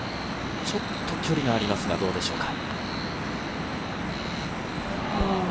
ちょっと距離がありますがどうでしょうか？